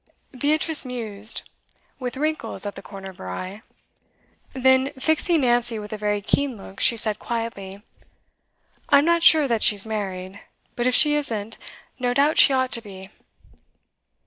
Beatrice mused, with wrinkles at the corner of her eye. Then, fixing Nancy with a very keen look, she said quietly: 'I'm not sure that she's married. But if she isn't, no doubt she ought to be.